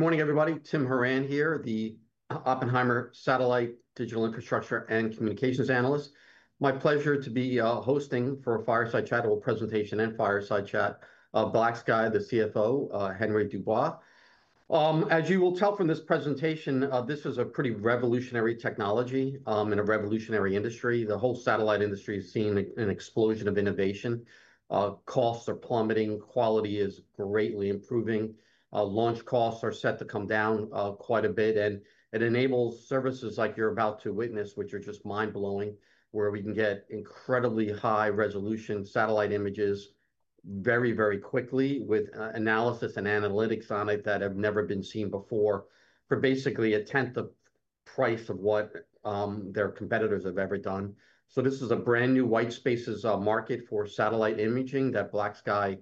Good morning, everybody. Tim Horan here, the Oppenheimer Satellite Digital Infrastructure and Communications Analyst. My pleasure to be hosting for a fireside chat or presentation and fireside chat BlackSky the CFO, Henry Dubois. As you will tell from this presentation, this is a pretty revolutionary technology and a revolutionary industry. The whole satellite industry has seen an explosion of innovation. Costs are plummeting, quality is greatly improving. Launch costs are set to come down quite a bit, and it enables services like you're about to witness, which are just mind-blowing, where we can get incredibly high-resolution satellite images very, very quickly with analysis and analytics on it that have never been seen before for basically a tenth of the price of what their competitors have ever done. This is a brand new white spaces market for satellite imaging that BlackSky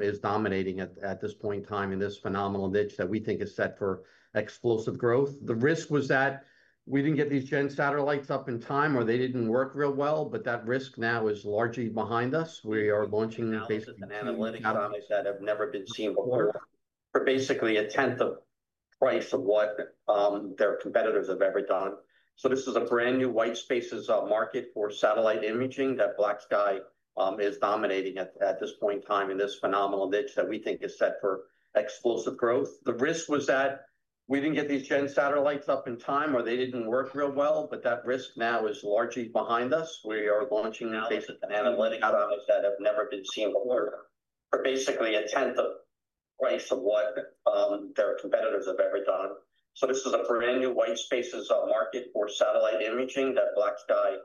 is dominating at this point in time in this phenomenal niche that we think is set for explosive growth. The risk was that we didn't get these gen satellites up in time or they didn't work real well, but that risk now is largely behind us. We are launching basically analytics on it that have never been seen before for basically a tenth of the price of what their competitors have ever done. This is a brand new white spaces market for satellite imaging that BlackSky is dominating at this point in time in this phenomenal niche that we think is set for explosive growth. The risk was that we didn't get these gen satellites up in time or they didn't work real well, but that risk now is largely behind us. We are launching now basically analytics on it that have never been seen before for basically a tenth of the price of what their competitors have ever done. This is a brand new white spaces market for satellite imaging that BlackSky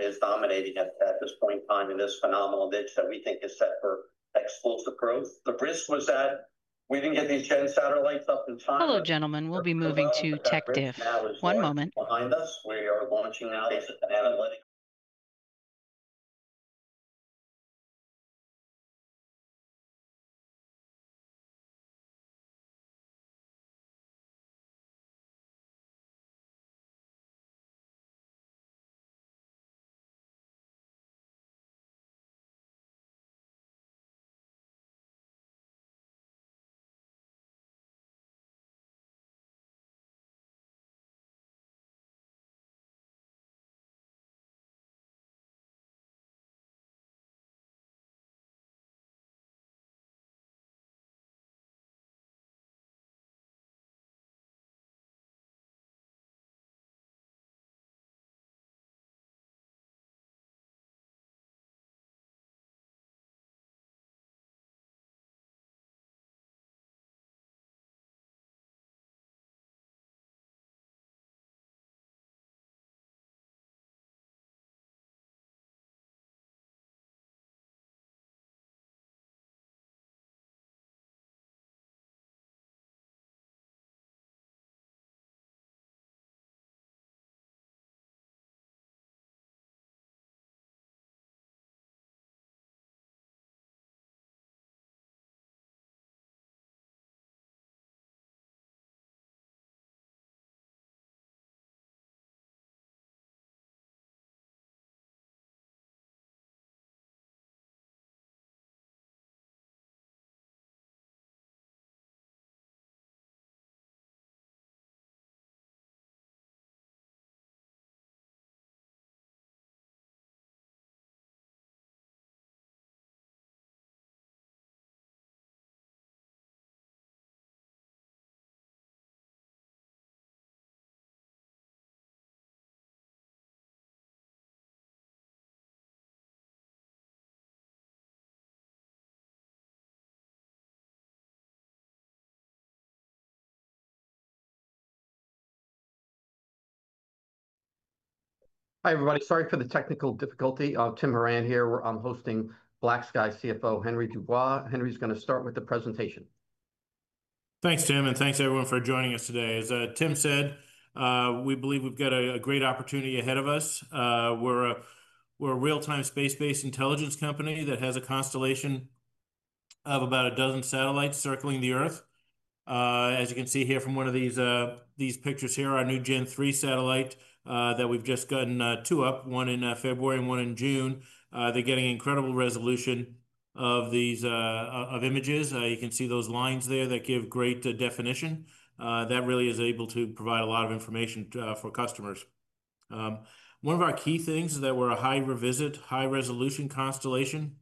is dominating at this point in time in this phenomenal niche that we think is set for explosive growth. The risk was that we didn't get these gen satellites up in time. Hello gentlemen, we'll be moving to tech diff. One moment. Behind us, we are launching now. Hi, everybody. Sorry for the technical difficulty. Tim Horan here. I'm hosting BlackSky CFO, Henry Dubois. Henry's going to start with the presentation. Thanks, Tim, and thanks everyone for joining us today. As Tim said, we believe we've got a great opportunity ahead of us. We're a real-time space-based intelligence company that has a constellation of about a dozen satellites circling the Earth. As you can see here from one of these pictures here, our new Gen-3 satellites that we've just gotten two up, one in February and one in June. They're getting incredible resolution of these images. You can see those lines there that give great definition. That really is able to provide a lot of information for customers. One of our key things is that we're a high revisit, high-resolution constellation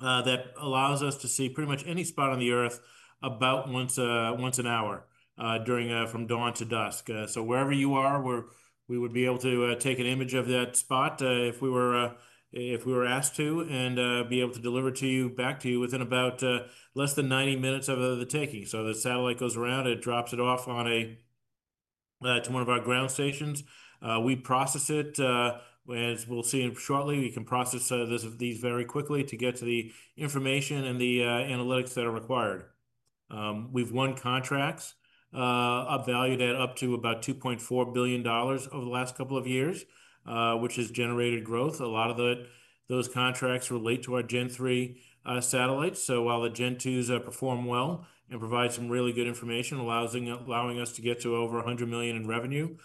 that allows us to see pretty much any spot on the Earth about once an hour from dawn to dusk. Wherever you are, we would be able to take an image of that spot if we were asked to and be able to deliver it back to you within about less than 90 minutes of the taking. The satellite goes around, it drops it off to one of our ground stations. We process it, as we'll see shortly. We can process these very quickly to get to the information and the analytics that are required. We've won contracts valued at up to about $2.4 billion over the last couple of years, which has generated growth. A lot of those contracts relate to our Gen-3 satellites. While the Gen-2 satellites perform well and provide some really good information, allowing us to get to over $100 million in revenue,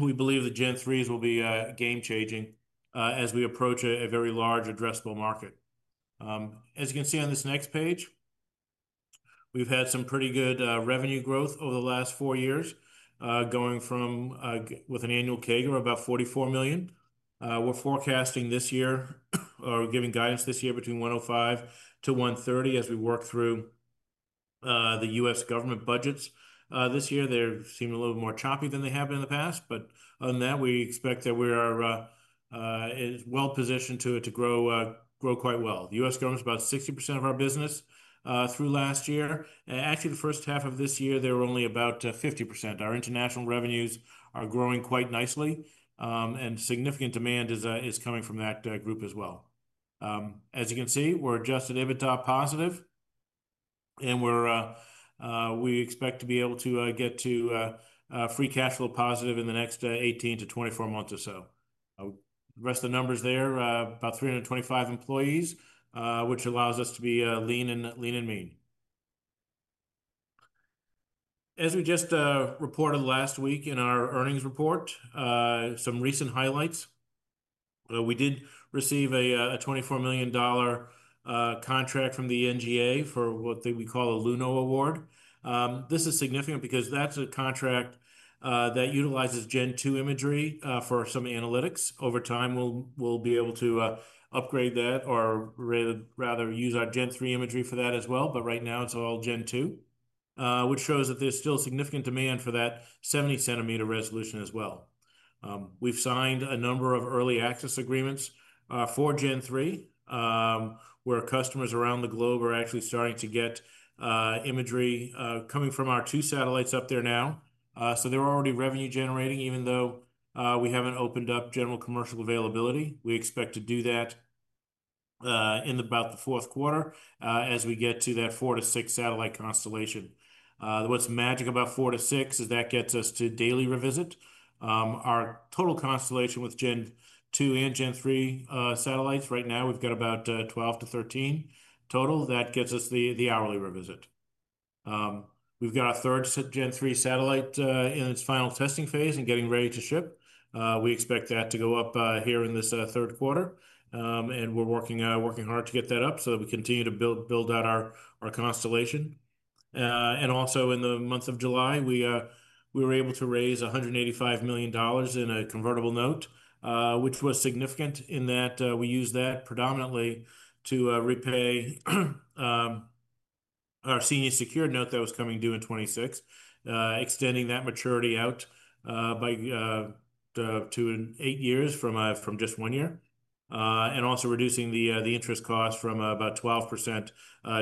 we believe the Gen-3 satellites will be game-changing as we approach a very large addressable market. As you can see on this next page, we've had some pretty good revenue growth over the last four years, going from with an annual CAGR of about $44 million. We're forecasting this year or giving guidance this year between $105 million - $130 million as we work through the U.S. government budgets this year. They seem a little more choppy than they have been in the past, other than that, we expect that we are well positioned to grow quite well. The U.S. government is about 60% of our business through last year. Actually, the first half of this year, they were only about 50%. Our international revenues are growing quite nicely, and significant demand is coming from that group as well. As you can see, we're adjusted EBITDA positive, and we expect to be able to get to free cash flow positive in the next 18 - 24 months or so. The rest of the numbers there, about 325 employees, which allows us to be lean and mean. As we just reported last week in our earnings report, some recent highlights. We did receive a $24 million contract from the National Geospatial-Intelligence Agency for what we call a LUNO Award. This is significant because that's a contract that utilizes Gen-2 imagery for some analytics. Over time, we'll be able to upgrade that or rather use our Gen-3 imagery for that as well. Right now, it's all Gen-2, which shows that there's still significant demand for that 70-centimeter resolution as well. We've signed a number of early access agreements for Gen-3, where customers around the globe are actually starting to get imagery coming from our two satellites up there now. They're already revenue generating, even though we haven't opened up general commercial availability. We expect to do that in about the fourth quarter as we get to that four to six satellite constellation. What's magic about four to six is that gets us to daily revisit. Our total constellation with Gen-2 and Gen-3 satellites right now, we've got about 12 to 13 total. That gets us the hourly revisit. We've got a third Gen-3 satellite in its final testing phase and getting ready to ship. We expect that to go up here in this third quarter, and we're working hard to get that up so that we continue to build out our constellation. Also, in the month of July, we were able to raise $185 million in a convertible note, which was significant in that we used that predominantly to repay our senior secured note that was coming due in 2026, extending that maturity out to eight years from just one year, and also reducing the interest cost from about 12%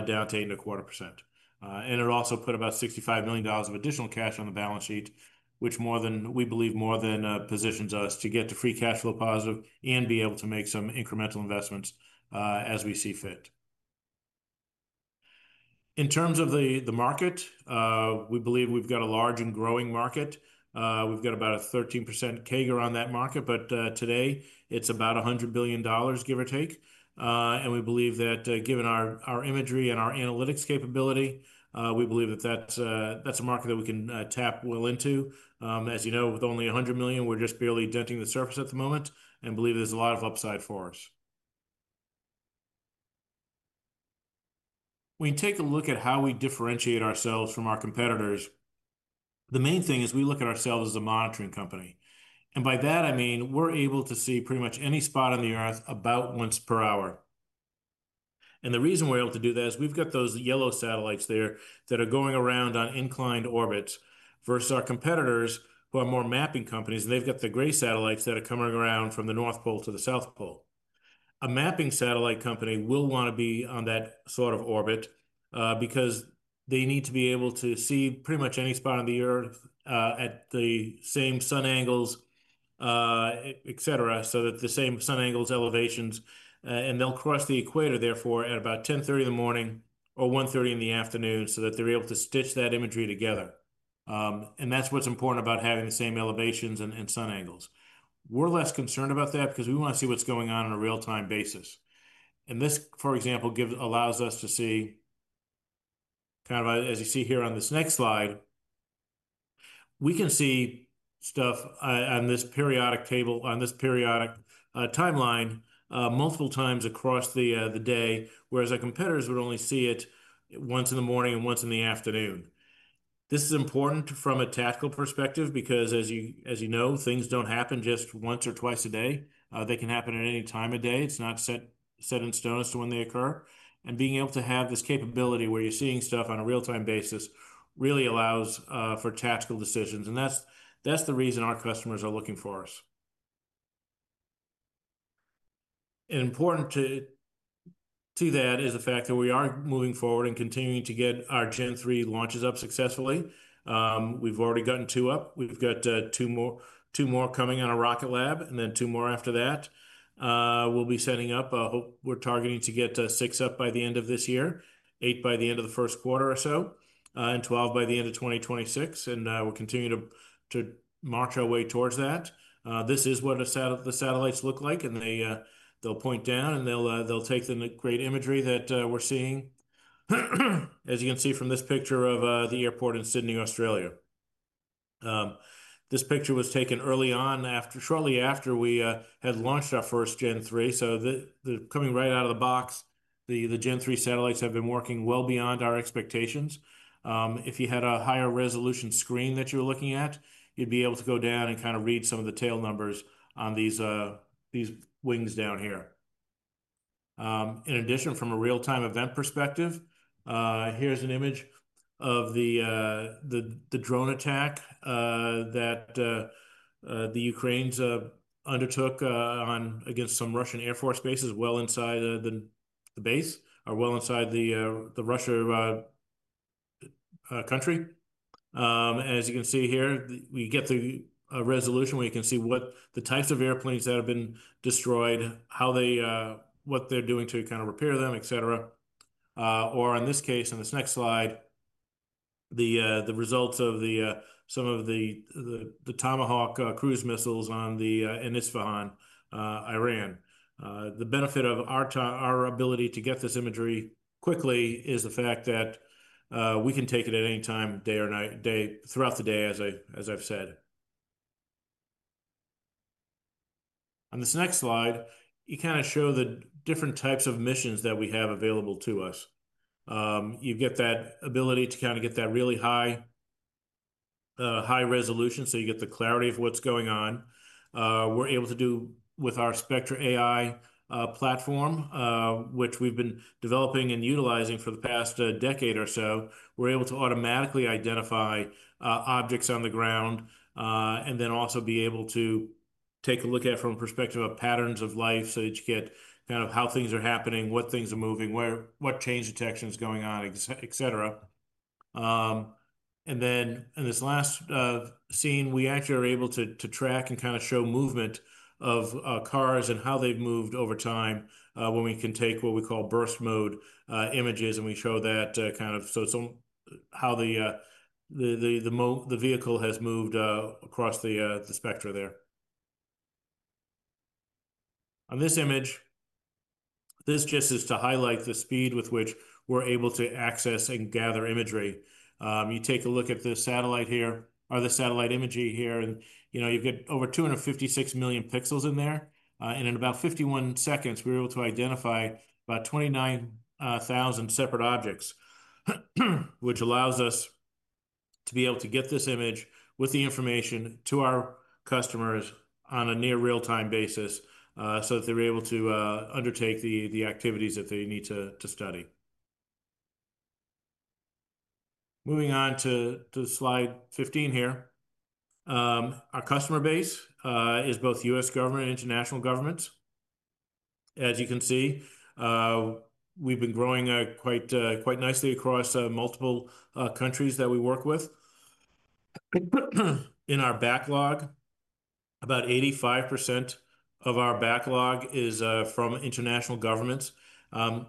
down to a quarter percent. It also put about $65 million of additional cash on the balance sheet, which we believe more than positions us to get to free cash flow positive and be able to make some incremental investments as we see fit. In terms of the market, we believe we've got a large and growing market. We've got about a 13% CAGR on that market, but today, it's about $100 billion, give or take. We believe that given our imagery and our analytics capability, we believe that that's a market that we can tap well into. As you know, with only $100 million, we're just barely denting the surface at the moment and believe there's a lot of upside for us. When you take a look at how we differentiate ourselves from our competitors, the main thing is we look at ourselves as a monitoring company. By that, I mean we're able to see pretty much any spot on the Earth about once per hour. The reason we're able to do that is we've got those yellow satellites there that are going around on inclined orbits versus our competitors who are more mapping companies. They've got the gray satellites that are coming around from the North Pole to the South Pole. A mapping satellite company will want to be on that sort of orbit because they need to be able to see pretty much any spot on the Earth at the same sun angles, elevations, and they'll cross the equator, therefore, at about 10:30 A.M. or 1:30 P.M. so that they're able to stitch that imagery together. That's what's important about having the same elevations and sun angles. We're less concerned about that because we want to see what's going on on a real-time basis. For example, this allows us to see, as you see here on this next slide, we can see stuff on this periodic timeline multiple times across the day, whereas our competitors would only see it once in the morning and once in the afternoon. This is important from a tactical perspective because, as you know, things don't happen just once or twice a day. They can happen at any time of day. It's not set in stone as to when they occur. Being able to have this capability where you're seeing stuff on a real-time basis really allows for tactical decisions. That's the reason our customers are looking for us. Important to that is the fact that we are moving forward and continuing to get our Gen-3 launches up successfully. We've already gotten two up. We've got two more coming on a Rocket Lab and then two more after that. We're targeting to get six up by the end of this year, eight by the end of the first quarter or so, and 12 by the end of 2026. We'll continue to march our way towards that. This is what the satellites look like, and they'll point down, and they'll take the great imagery that we're seeing, as you can see from this picture of the airport in Sydney, Australia. This picture was taken early on, shortly after we had launched our first Gen-3. They're coming right out of the box. The Gen-3 satellites have been working well beyond our expectations. If you had a higher resolution screen that you were looking at, you'd be able to go down and kind of read some of the tail numbers on these wings down here. In addition, from a real-time event perspective, here's an image of the drone attack that the Ukrainians undertook against some Russian Air Force bases well inside the base or well inside the Russian country. As you can see here, we get the resolution where you can see what the types of airplanes that have been destroyed, what they're doing to kind of repair them, etc. In this case, in this next slide, the results of some of the Tomahawk cruise missiles on the Isfahan, Iran. The benefit of our ability to get this imagery quickly is the fact that we can take it at any time, day or night, throughout the day, as I've said. On this next slide, you kind of show the different types of missions that we have available to us. You get that ability to kind of get that really high-resolution so you get the clarity of what's going on. We're able to do with our Spectra AI platform, which we've been developing and utilizing for the past decade or so. We're able to automatically identify objects on the ground and then also be able to take a look at from a perspective of patterns of life so that you get kind of how things are happening, what things are moving, what change detection is going on, etc. In this last scene, we actually are able to track and kind of show movement of cars and how they've moved over time when we can take what we call burst mode images, and we show that kind of how the vehicle has moved across the spectra there. On this image, this just is to highlight the speed with which we're able to access and gather imagery. You take a look at this satellite here, or the satellite imagery here. You've got over 256 million pixels in there. In about 51 seconds, we were able to identify about 29,000 separate objects, which allows us to be able to get this image with the information to our customers on a near real-time basis so that they're able to undertake the activities that they need to study. Moving on to slide 15 here, our customer base is both U.S. government and international governments. As you can see, we've been growing quite nicely across multiple countries that we work with. In our backlog, about 85% of our backlog is from international governments.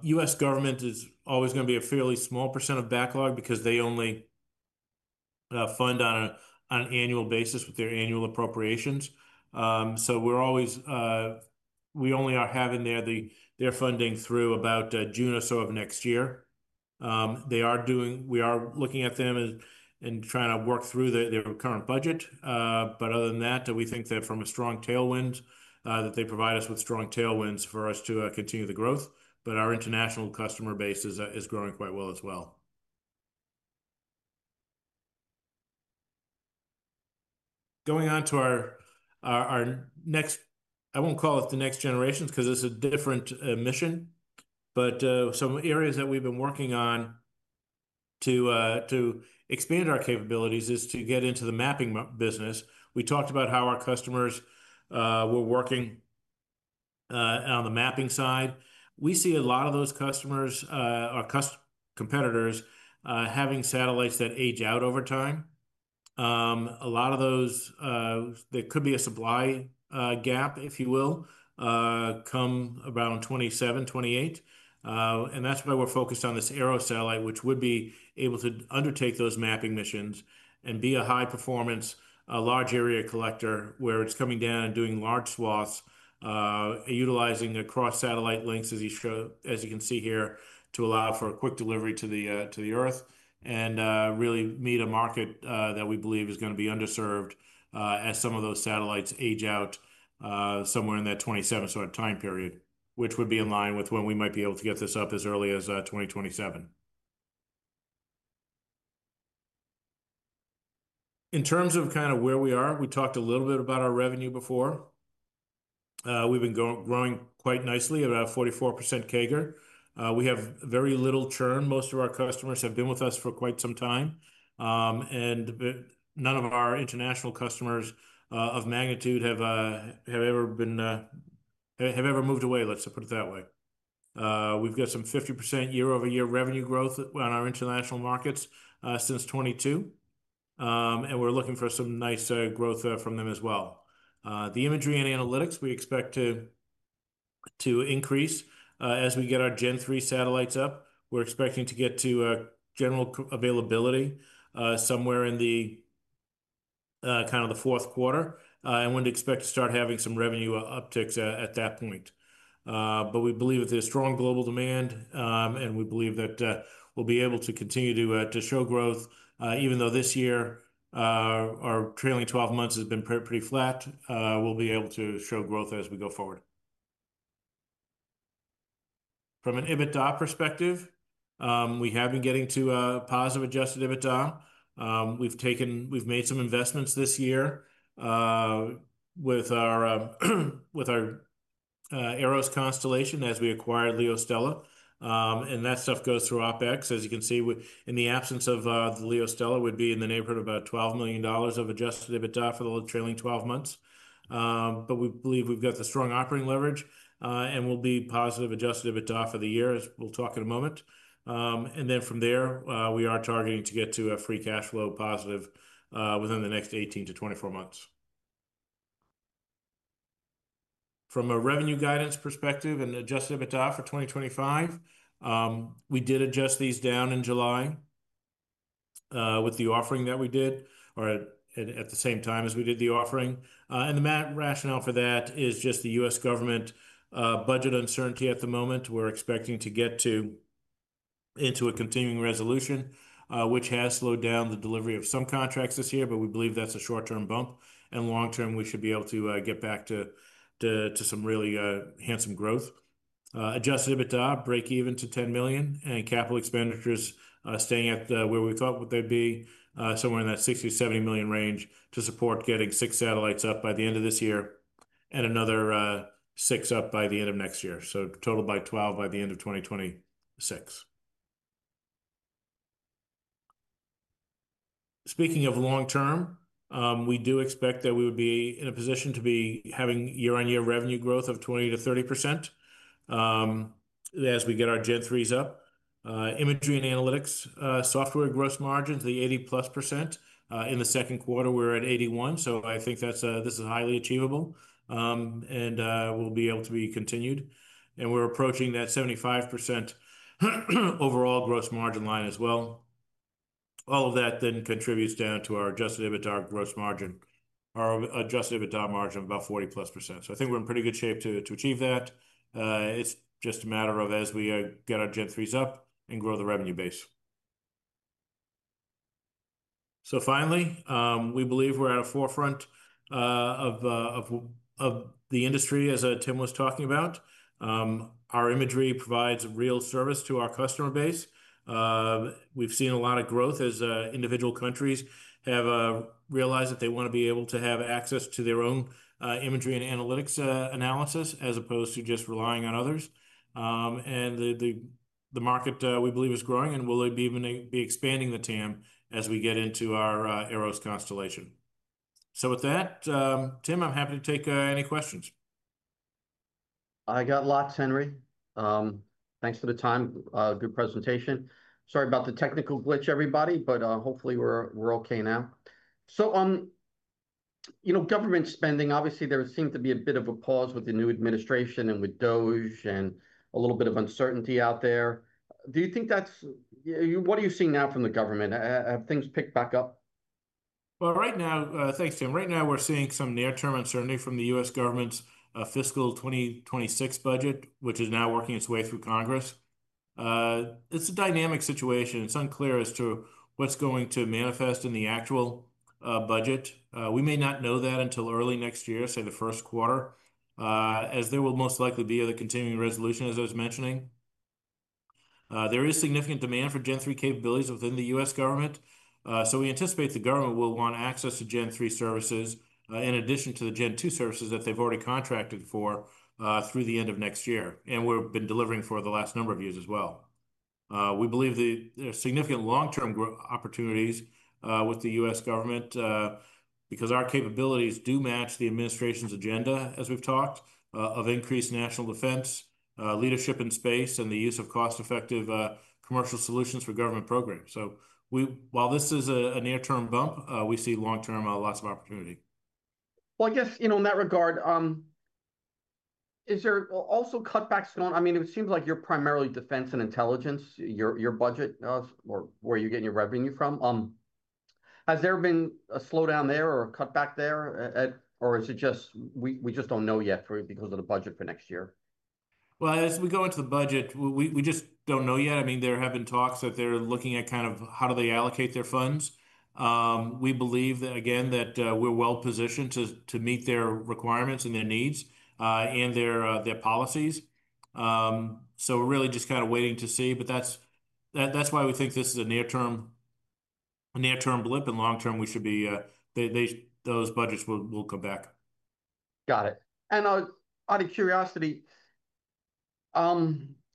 U.S. government is always going to be a fairly small % of backlog because they only fund on an annual basis with their annual appropriations. We're always, we only are having their funding through about June or so of next year. We are looking at them and trying to work through their current budget. Other than that, we think that from a strong tailwind that they provide us with strong tailwinds for us to continue the growth. Our international customer base is growing quite well as well. Going on to our next, I won't call it the next generation because it's a different mission. Some areas that we've been working on to expand our capabilities is to get into the mapping business. We talked about how our customers were working on the mapping side. We see a lot of those customers or competitors having satellites that age out over time. A lot of those, there could be a supply gap, if you will, come around 2027, 2028. That's why we're focused on this Arrows constellation, which would be able to undertake those mapping missions and be a high-performance, large area collector where it's coming down and doing large swaths, utilizing cross-satellite links, as you can see here, to allow for a quick delivery to the Earth and really meet a market that we believe is going to be underserved as some of those satellites age out somewhere in that 2027 sort of time period, which would be in line with when we might be able to get this up as early as 2027. In terms of kind of where we are, we talked a little bit about our revenue before. We've been growing quite nicely at about 44% CAGR. We have very little churn. Most of our customers have been with us for quite some time. None of our international customers of magnitude have ever moved away, let's put it that way. We've got some 50% year-over-year revenue growth on our international markets since 2022. We're looking for some nice growth from them as well. The imagery and analytics, we expect to increase as we get our Gen-3 satellites up. We're expecting to get to general availability somewhere in the kind of the fourth quarter and would expect to start having some revenue upticks at that point. We believe that there's strong global demand, and we believe that we'll be able to continue to show growth, even though this year, our trailing 12 months has been pretty flat. We'll be able to show growth as we go forward. From an EBITDA perspective, we have been getting to a positive adjusted EBITDA. We've made some investments this year with our AROS constellation as we acquired LeoStella. That stuff goes through OpEx. As you can see, in the absence of the LeoStella, it would be in the neighborhood of about $12 million of adjusted EBITDA for the trailing 12 months. We believe we've got the strong operating leverage, and we'll be positive adjusted EBITDA for the year, as we'll talk in a moment. From there, we are targeting to get to a free cash flow positive within the next 18 - 24 months. From a revenue guidance perspective and adjusted EBITDA for 2025, we did adjust these down in July with the offering that we did or at the same time as we did the offering. The rationale for that is just the U.S. government budget uncertainty at the moment. We're expecting to get into a continuing resolution, which has slowed down the delivery of some contracts this year. We believe that's a short-term bump. Long-term, we should be able to get back to some really handsome growth. Adjusted EBITDA break even to $10 million, and capital expenditures staying at where we thought they'd be, somewhere in that $60 million - $70 million range to support getting six satellites up by the end of this year and another six up by the end of next year. Total by 12 by the end of 2026. Speaking of long-term, we do expect that we would be in a position to be having year-on-year revenue growth of 20% - 30% as we get our Gen-3 satellites up. Imagery and analytics software growth margins, the 80%+. In the second quarter, we're at 81%. I think this is highly achievable and will be able to be continued. We're approaching that 75% overall gross margin line as well. All of that then contributes down to our adjusted EBITDA margin of about 40%+. I think we're in pretty good shape to achieve that. It's just a matter of as we get our Gen-3 satellites up and grow the revenue base. Finally, we believe we're at a forefront of the industry, as Tim was talking about. Our imagery provides real service to our customer base. We've seen a lot of growth as individual countries have realized that they want to be able to have access to their own imagery and analytics analysis as opposed to just relying on others. The market we believe is growing and will be expanding the TAM as we get into our AROS constellation. With that, Tim, I'm happy to take any questions. I got lots, Henry. Thanks for the time. Good presentation. Sorry about the technical glitch, everybody, but hopefully we're OK now. On government spending, obviously there seemed to be a bit of a pause with the new administration and with the Department of Defense and a little bit of uncertainty out there. Do you think that's, what are you seeing now from the government? Have things picked back up? Right now, thanks, Tim. Right now, we're seeing some near-term uncertainty from the U.S. government's fiscal 2026 budget, which is now working its way through Congress. It's a dynamic situation. It's unclear as to what's going to manifest in the actual budget. We may not know that until early next year, say the first quarter, as there will most likely be the continuing resolution, as I was mentioning. There is significant demand for Gen-3 capabilities within the U.S. government. We anticipate the government will want access to Gen-3 services in addition to the Gen-2 services that they've already contracted for through the end of next year, and we've been delivering for the last number of years as well. We believe there are significant long-term opportunities with the U.S. government because our capabilities do match the administration's agenda, as we've talked, of increased national defense, leadership in space, and the use of cost-effective commercial solutions for government programs. While this is a near-term bump, we see long-term lots of opportunity. I guess, you know, in that regard, is there also cutbacks? I mean, it seems like you're primarily defense and intelligence, your budget or where you're getting your revenue from. Has there been a slowdown there or a cutback there, or is it just we just don't know yet because of the budget for next year? As we go into the budget, we just don't know yet. I mean, there have been talks that they're looking at kind of how do they allocate their funds. We believe that, again, that we're well positioned to meet their requirements and their needs and their policies. We're really just kind of waiting to see. That's why we think this is a near-term blip, and long-term, we should be, those budgets will come back. Got it. Out of curiosity,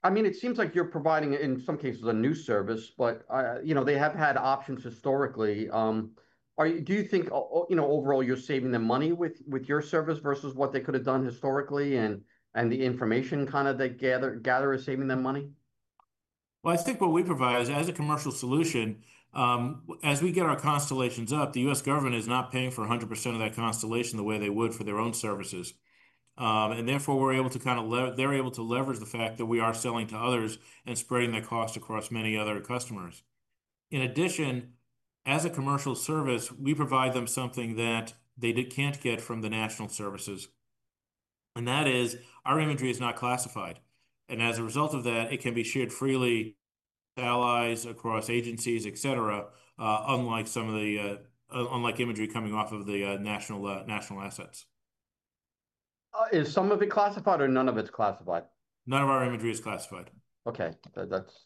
it seems like you're providing, in some cases, a new service, but they have had options historically. Do you think overall you're saving them money with your service versus what they could have done historically, and the information they gather is saving them money? I think what we provide is, as a commercial solution, as we get our constellations up, the U.S. government is not paying for 100% of that constellation the way they would for their own services. Therefore, they're able to leverage the fact that we are selling to others and spreading the cost across many other customers. In addition, as a commercial service, we provide them something that they can't get from the national services. That is, our imagery is not classified. As a result of that, it can be shared freely to allies, across agencies, etc., unlike some of the imagery coming off of the national assets. Is some of it classified, or none of it's classified? None of our imagery is unclassified. OK, that's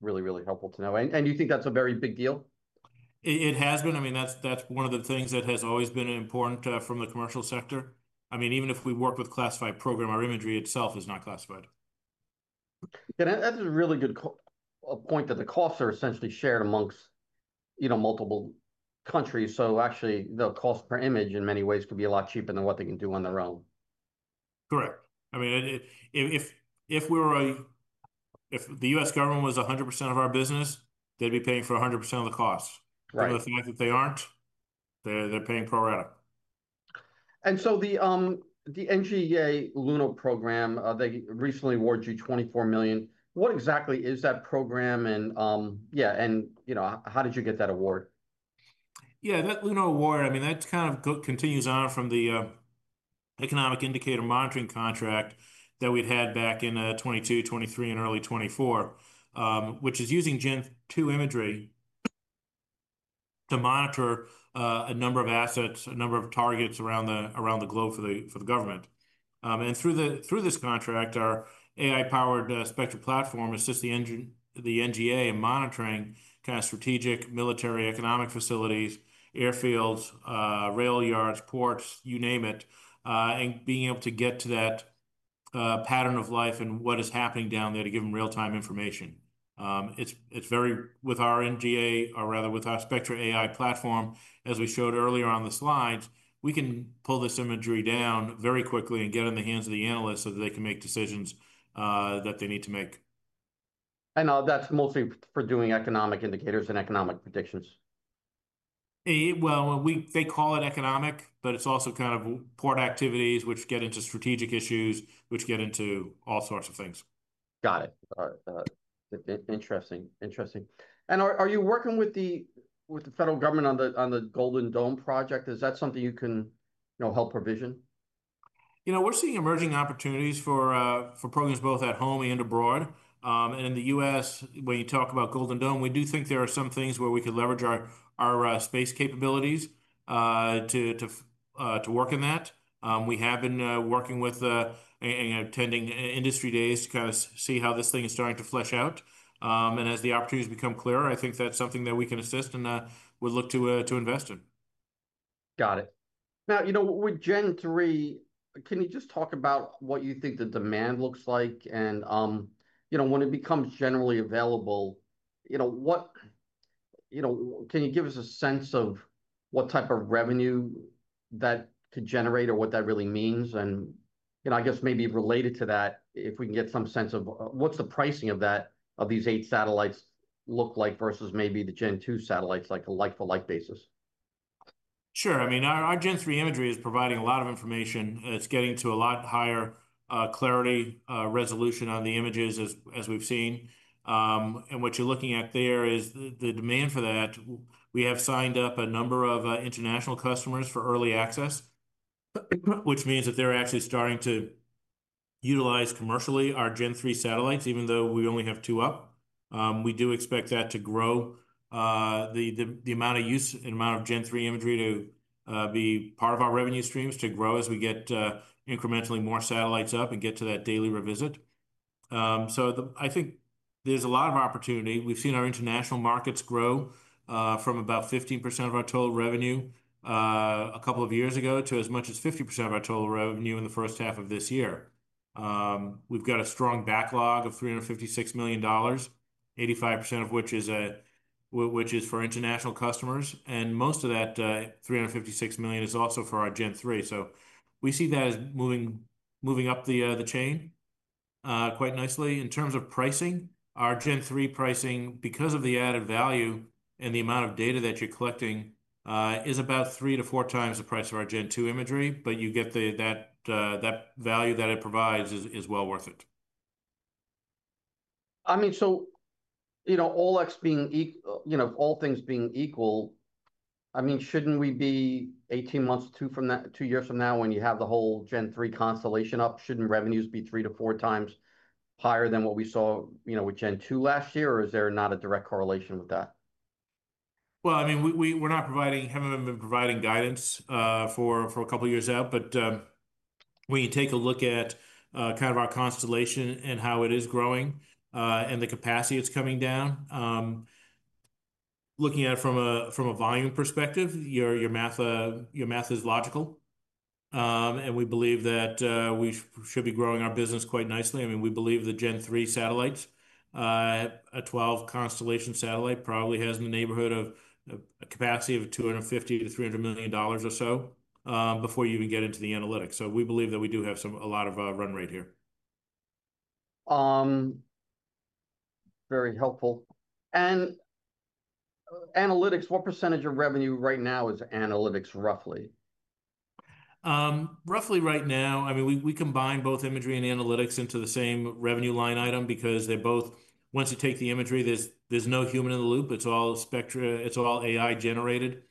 really, really helpful to know. Do you think that's a very big deal? It has been. I mean, that's one of the things that has always been important from the commercial sector. I mean, even if we work with a classified program, our imagery itself is not classified. That's a really good point that the costs are essentially shared amongst multiple countries. Actually, the cost per image in many ways could be a lot cheaper than what they can do on their own. Correct. I mean, if the U.S. government was 100% of our business, they'd be paying for 100% of the cost. The fact that they aren't, they're paying pro rata. The NGA LUNO program, they recently awarded you $24 million. What exactly is that program, and how did you get that award? Yeah, that LUNO award, I mean, that kind of continues on from the economic indicator monitoring contract that we'd had back in 2022, 2023, and early 2024, which is using Gen-2 imagery to monitor a number of assets, a number of targets around the globe for the government. Through this contract, our AI-powered Spectra AI platform assists the National Geospatial-Intelligence Agency in monitoring kind of strategic military economic facilities, airfields, rail yards, ports, you name it, and being able to get to that pattern of life and what is happening down there to give them real-time information. With our Spectra AI platform, as we showed earlier on the slides, we can pull this imagery down very quickly and get it in the hands of the analysts so that they can make decisions that they need to make. That's mostly for doing economic indicators and economic predictions? They call it economic, but it's also kind of port activities, which get into strategic issues, which get into all sorts of things. Got it. All right. Interesting, interesting. Are you working with the federal government on the Golden Dome project? Is that something you can help provision? You know, we're seeing emerging opportunities for programs both at home and abroad. In the U.S., when you talk about Golden Dome, we do think there are some things where we could leverage our space capabilities to work in that. We have been working with and attending industry days to kind of see how this thing is starting to flesh out. As the opportunities become clearer, I think that's something that we can assist and would look to invest in. Got it. Now, you know, with Gen-3 satellites, can you just talk about what you think the demand looks like? When it becomes generally available, can you give us a sense of what type of revenue that could generate or what that really means? I guess maybe related to that, if we can get some sense of what the pricing of these eight satellites looks like versus maybe the Gen-2 satellites on a like-for-like basis? Sure. I mean, our Gen-3 imagery is providing a lot of information. It's getting to a lot higher clarity resolution on the images as we've seen. What you're looking at there is the demand for that. We have signed up a number of international customers for early access, which means that they're actually starting to utilize commercially our Gen-3 satellites, even though we only have two up. We do expect that to grow, the amount of use and amount of Gen-3 imagery to be part of our revenue streams to grow as we get incrementally more satellites up and get to that daily revisit. I think there's a lot of opportunity. We've seen our international markets grow from about 15% of our total revenue a couple of years ago to as much as 50% of our total revenue in the first half of this year. We've got a strong backlog of $356 million, 85% of which is for international customers. Most of that $356 million is also for our Gen-3. We see that as moving up the chain quite nicely. In terms of pricing, our Gen-3 pricing, because of the added value and the amount of data that you're collecting, is about three to four times the price of our Gen-2 imagery. You get that value that it provides is well worth it. I mean, all things being equal, shouldn't we be 18 months, two years from now when you have the whole Gen-3 constellation up, shouldn't revenues be three to four times higher than what we saw with Gen-2 last year, or is there not a direct correlation with that? We're not providing, haven't been providing guidance for a couple of years out. When you take a look at kind of our constellation and how it is growing and the capacity that's coming down, looking at it from a volume perspective, your math is logical. We believe that we should be growing our business quite nicely. We believe the Gen-3 satellites, a 12-constellation satellite, probably has in the neighborhood of a capacity of $250 million - $300 million or so before you even get into the analytics. We believe that we do have a lot of run rate here. Very helpful. What percentage of revenue right now is analytics, roughly? Roughly right now, I mean, we combine both imagery and analytics into the same revenue line item because they both, once you take the imagery, there's no human in the loop. It's all AI-generated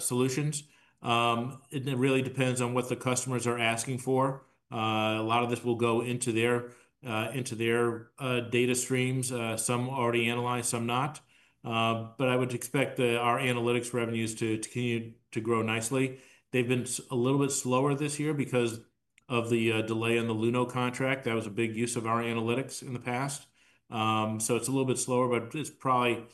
solutions. It really depends on what the customers are asking for. A lot of this will go into their data streams. Some already analyze, some not. I would expect our analytics revenues to continue to grow nicely. They've been a little bit slower this year because of the delay in the LUNO contract. That was a big use of our analytics in the past. It's a little bit slower, but it's probably,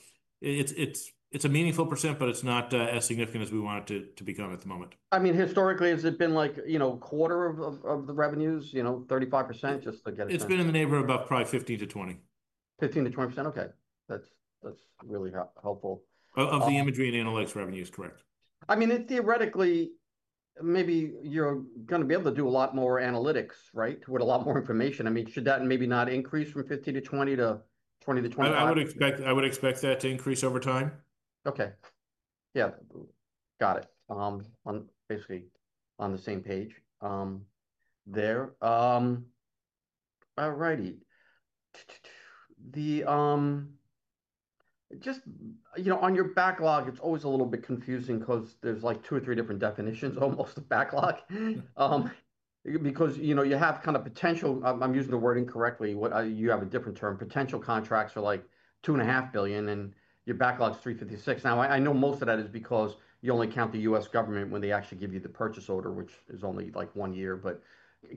it's a meaningful %, but it's not as significant as we want it to become at the moment. Historically, has it been like, you know, a quarter of the revenues, 35% just to get it done? It's been in the neighborhood of about probably 15% - 20%. 15% - 20%. OK. That's really helpful. Of the imagery and analytics revenues, correct. I mean, theoretically, maybe you're going to be able to do a lot more analytics, right, with a lot more information. I mean, should that maybe not increase from 15% - 20% to 20% - 25%? I would expect that to increase over time. OK. Yeah. Got it. Basically, on the same page there. All righty. Just, you know, on your backlog, it's always a little bit confusing because there's like two or three different definitions almost of backlog. You have kind of potential, I'm using the word incorrectly, you have a different term, potential contracts are like $2.5 billion, and your backlog is $356 million. I know most of that is because you only count the U.S. government when they actually give you the purchase order, which is only like one year.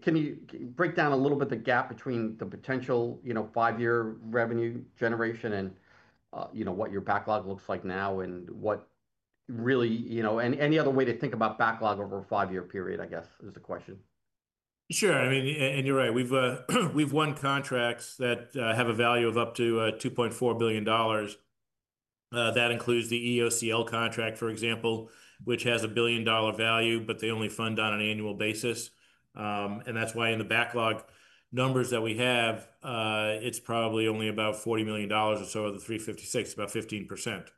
Can you break down a little bit the gap between the potential, you know, five-year revenue generation and what your backlog looks like now and what really, you know, any other way to think about backlog over a five-year period, I guess, is the question. Sure. I mean, and you're right. We've won contracts that have a value of up to $2.4 billion. That includes the EOCL contract, for example, which has a billion-dollar value, but they only fund on an annual basis. That's why in the backlog numbers that we have, it's probably only about $40 million or so of the $356 million, about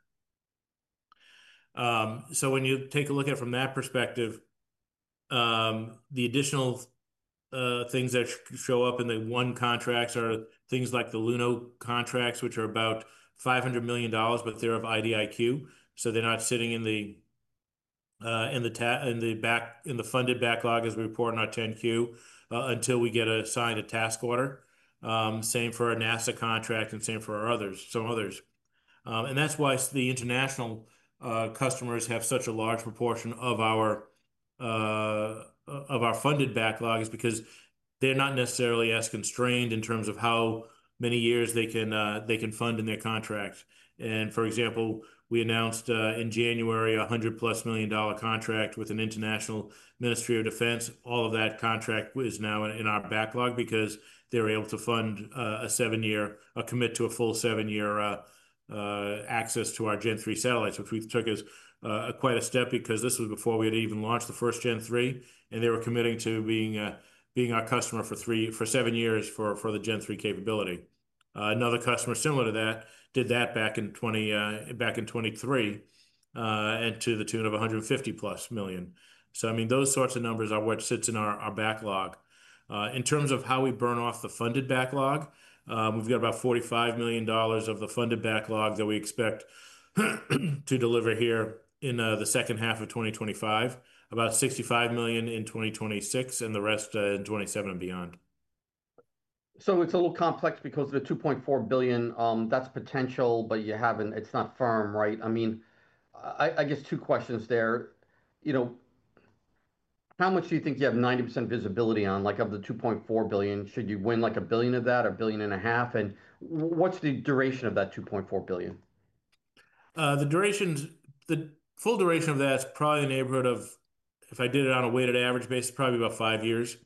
15%. When you take a look at it from that perspective, the additional things that show up in the won contracts are things like the LUNO contracts, which are about $500 million, but they're of IDIQ. They're not sitting in the funded backlog as we report on our 10Q until we get assigned a task order. Same for a NASA contract and same for our others, some others. That's why the international customers have such a large proportion of our funded backlog, because they're not necessarily as constrained in terms of how many years they can fund in their contracts. For example, we announced in January a $100+ million contract with an international Ministry of Defense. All of that contract is now in our backlog because they were able to fund a seven-year, commit to a full seven-year access to our Gen-3 satellites, which we took as quite a step because this was before we had even launched the first Gen-3. They were committing to being our customer for seven years for the Gen-3 capability. Another customer similar to that did that back in 2023 and to the tune of $150+ million. Those sorts of numbers are what sits in our backlog. In terms of how we burn off the funded backlog, we've got about $45 million of the funded backlog that we expect to deliver here in the second half of 2025, about $65 million in 2026, and the rest in 2027 and beyond. It's a little complex because of the $2.4 billion. That's potential, but you haven't, it's not firm, right? I mean, I guess two questions there. How much do you think you have 90% visibility on, like of the $2.4 billion? Should you win like a billion of that, a billion and a half? What's the duration of that $2.4 billion? The full duration of that is probably in the neighborhood of, if I did it on a weighted average basis, probably about five years.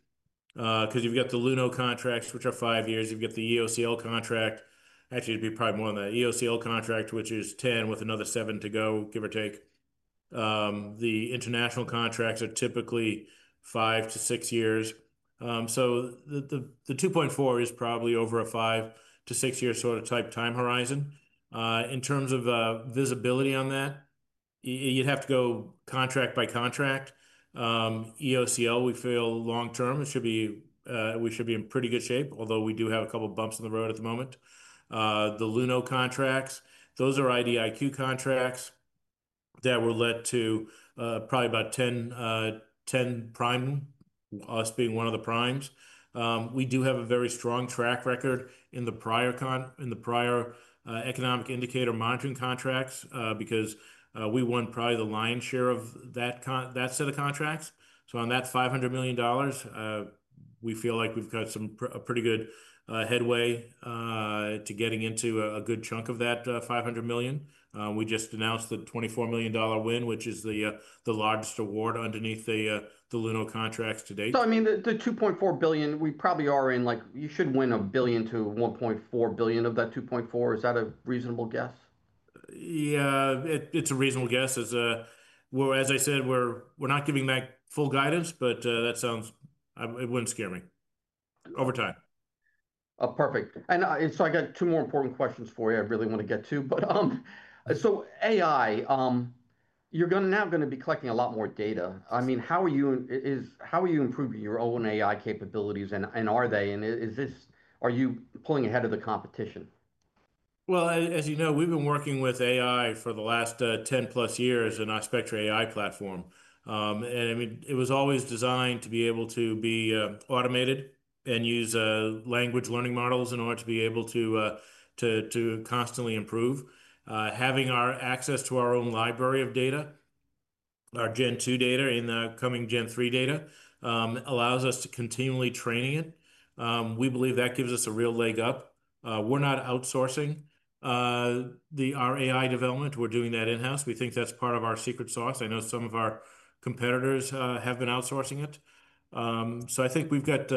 Because you've got the LUNO contracts, which are five years. You've got the EOCL contract. Actually, it'd be probably more than that. EOCL contract, which is 10, with another seven to go, give or take. The international contracts are typically five to six years. The $2.4 is probably over a five to six-year sort of type time horizon. In terms of visibility on that, you'd have to go contract by contract. EOCL, we feel long-term, we should be in pretty good shape, although we do have a couple of bumps in the road at the moment. The LUNO contracts, those are IDIQ contracts that were let to probably about 10 prime, us being one of the primes. We do have a very strong track record in the prior economic indicator monitoring contracts because we won probably the lion's share of that set of contracts. On that $500 million, we feel like we've got some pretty good headway to getting into a good chunk of that $500 million. We just announced the $24 million win, which is the largest award underneath the LUNO contracts to date. I mean, the $2.4 billion, we probably are in, like you should win $1 billion - $1.4 billion of that $2.4 billion. Is that a reasonable guess? Yeah, it's a reasonable guess. As I said, we're not giving that full guidance, but that sounds, it wouldn't scare me over time. Perfect. I got two more important questions for you I really want to get to. AI, you're now going to be collecting a lot more data. I mean, how are you improving your own AI capabilities? Is this, are you pulling ahead of the competition? As you know, we've been working with AI for the last 10+ years in our Spectra AI platform. It was always designed to be able to be automated and use language learning models in order to be able to constantly improve. Having access to our own library of data, our Gen-2 data and the coming Gen-3 data, allows us to continually train it. We believe that gives us a real leg up. We're not outsourcing our AI development. We're doing that in-house. We think that's part of our secret sauce. I know some of our competitors have been outsourcing it. I think we've got,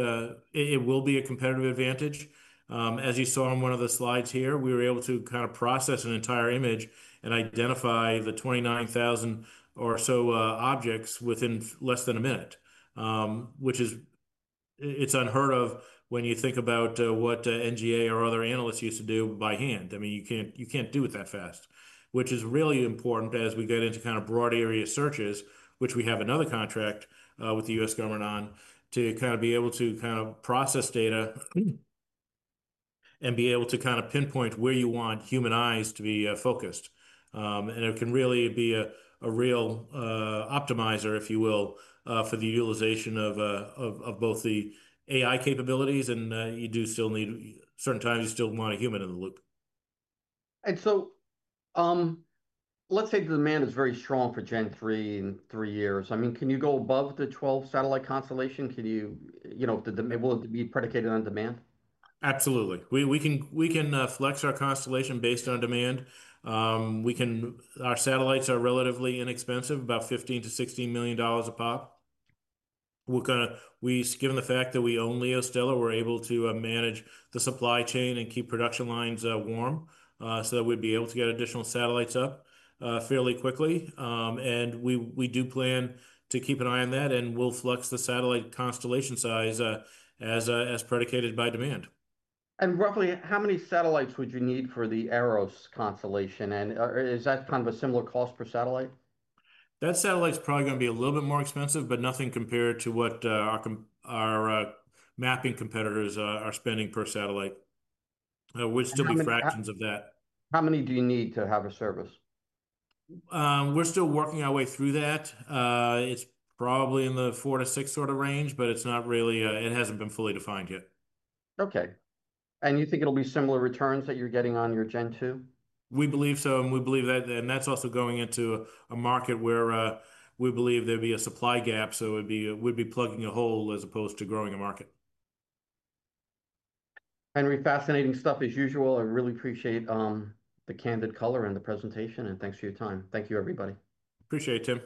it will be a competitive advantage. As you saw on one of the slides here, we were able to process an entire image and identify the 29,000 or so objects within less than a minute, which is unheard of when you think about what the NGA or other analysts used to do by hand. You can't do it that fast, which is really important as we get into broad area searches, which we have another contract with the U.S. government on, to be able to process data and be able to pinpoint where you want human eyes to be focused. It can really be a real optimizer, if you will, for the utilization of both the AI capabilities. You do still need, certain times you still want a human in the loop. Let's say the demand is very strong for Gen-3 in three years. Can you go above the 12 satellite constellation? Will it be predicated on demand? Absolutely. We can flex our constellation based on demand. Our satellites are relatively inexpensive, about $15 million - $16 million a pop. Given the fact that we own LeoStella, we're able to manage the supply chain and keep production lines warm so that we'd be able to get additional satellites up fairly quickly. We do plan to keep an eye on that and will flex the satellite constellation size as predicated by demand. Roughly, how many satellites would you need for the AROS constellation? Is that kind of a similar cost per satellite? That satellite is probably going to be a little bit more expensive, but nothing compared to what our mapping competitors are spending per satellite. We're still with fractions of that. How many do you need to have a service? We're still working our way through that. It's probably in the four to six sort of range, but it's not really, it hasn't been fully defined yet. OK. Do you think it'll be similar returns that you're getting on your Gen-2? We believe so. We believe that, and that's also going into a market where we believe there'd be a supply gap. We'd be plugging a hole as opposed to growing a market. Henry, fascinating stuff as usual. I really appreciate the candid color and the presentation. Thank you for your time. Thank you, everybody. Appreciate it, Tim.